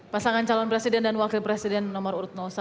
pasangan calon presiden dan wakil presiden nomor urut satu